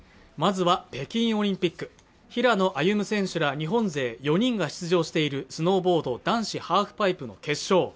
まずは北京オリンピック平野歩夢選手ら日本勢４人が出場しているスノーボード男子ハーフパイプの決勝